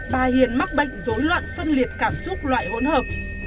bà hiền mắc bệnh dối loạn phân liệt cảm xúc loại hỗn hợp